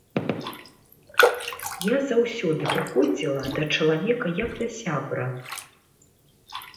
Я заўсёды прыходзіла да чалавека як да сябра.